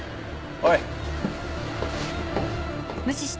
おい